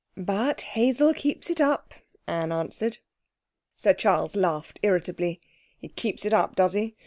'But Hazel keeps it up,' Anne answered. Sir Charles laughed irritably. 'He keeps it up, does he?